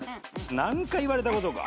何回言われたことか。